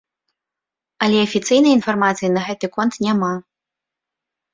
Але афіцыйнай інфармацыі на гэты конт няма.